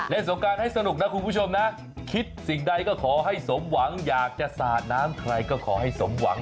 สงการให้สนุกนะคุณผู้ชมนะคิดสิ่งใดก็ขอให้สมหวังอยากจะสาดน้ำใครก็ขอให้สมหวัง